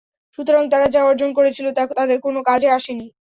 সুতরাং তারা যা অর্জন করেছিল তা তাদের কোন কাজে আসেনি।